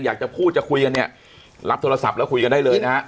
อยากจะพูดจะคุยกันเนี่ยรับโทรศัพท์แล้วคุยกันได้เลยนะฮะ